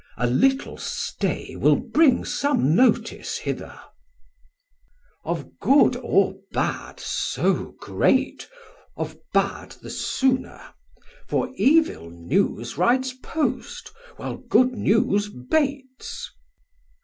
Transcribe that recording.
A little stay will bring some notice hither. Chor: Of good or bad so great, of bad the sooner; For evil news rides post, while good news baits.